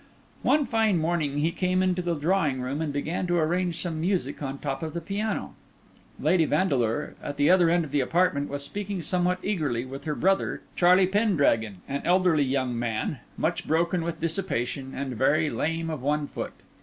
One fine morning he came into the drawing room and began to arrange some music on the top of the piano. Lady Vandeleur, at the other end of the apartment, was speaking somewhat eagerly with her brother, Charlie Pendragon, an elderly young man, much broken with dissipation, and very lame of one foot.